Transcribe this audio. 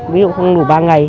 ví dụ không đủ ba ngày